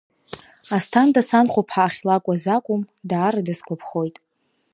Асҭанда, санхәԥҳа ахьлакәу азакәым, даара дысгәаԥхоит.